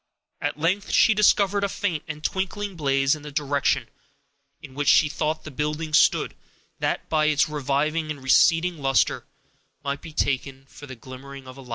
At length she discovered a faint and twinkling blaze in the direction in which she thought the building stood, that, by its reviving and receding luster, might be taken for the glimmering of a fire.